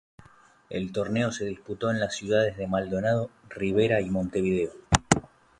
El torneo se disputó en las ciudades de Maldonado, Rivera y Montevideo.